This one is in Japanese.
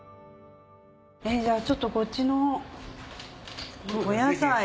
じゃあちょっとこっちのお野菜。